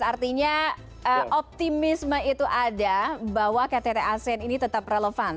artinya optimisme itu ada bahwa ktt asean ini tetap relevan